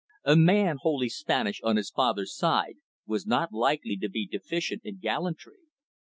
A man wholly Spanish on his father's side was not likely to be deficient in gallantry.